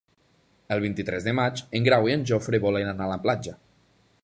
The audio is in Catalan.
El vint-i-tres de maig en Grau i en Jofre volen anar a la platja.